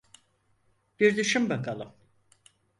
Bir düşün bakalım.